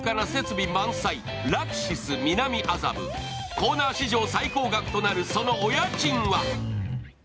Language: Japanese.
コーナー史上最高額となるそのお家賃は？